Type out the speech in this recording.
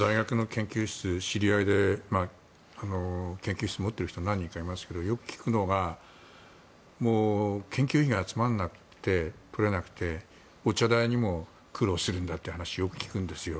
知り合いで大学に研究室を持っている人が何人かいますが、よく聞くのが研究費が取れなくてお茶代にも苦労するんだという話をよく聞くんですよ。